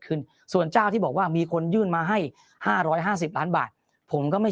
คืนส่วนเจ้าที่บอกว่ามีคนยื่นมาให้๕๕๐ล้านบาทผมก็ไม่